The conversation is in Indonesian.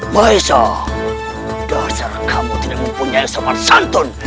maesha dasar kamu tidak mempunyai sebat santun